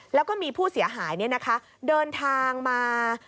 แล้วก็มีผู้เสียหายเนี่ยนะคะเดินทางมา